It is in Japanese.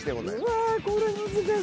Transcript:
うわこれ難しい。